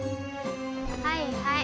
はいはい。